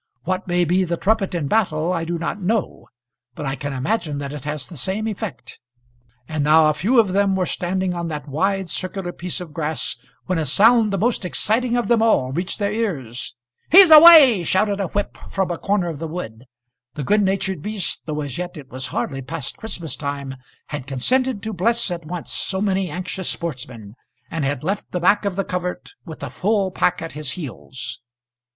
What may be the trumpet in battle I do not know, but I can imagine that it has the same effect. And now a few of them were standing on that wide circular piece of grass, when a sound the most exciting of them all reached their ears. "He's away!" shouted a whip from a corner of the wood. The good natured beast, though as yet it was hardly past Christmas time, had consented to bless at once so many anxious sportsmen, and had left the back of the covert with the full pack at his heels.